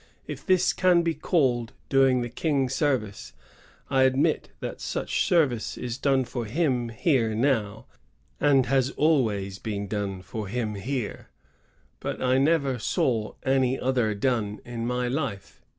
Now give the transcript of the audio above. If this can be called doing the King service, I admit that such service is done for him here now, and has always been done for him here ; but I never saw any other done in my life."